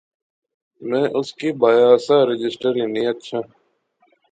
میں اُُس کی بایا سا رجسٹر ہنی اچھے